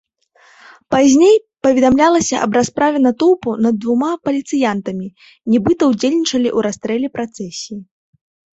Пазней паведамлялася аб расправе натоўпу над двума паліцыянтамі, нібыта ўдзельнічалі ў расстрэле працэсіі.